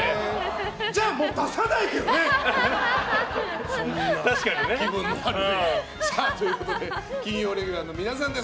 じゃあもう出さないけどね！ということで、金曜レギュラーの皆さんです。